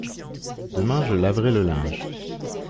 Demain je laverai le linge.